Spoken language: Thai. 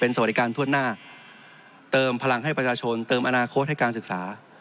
สวัสดีการทั่วหน้าเติมพลังให้ประชาชนเติมอนาคตให้การศึกษา